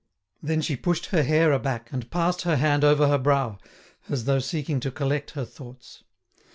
Then she pushed her hair aback, and passed her hand over her brow, as though seeking to collect her thoughts.